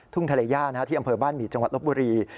ทุ่งทะเลย่านะฮะที่อำเภอบ้านหมีจังหวัดลบบุรี